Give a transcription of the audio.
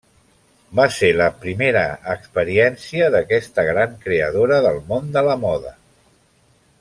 Va ser la primera experiència d'aquesta gran creadora del món de la moda.